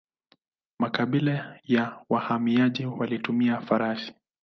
Makabila ya wahamiaji walitumia farasi.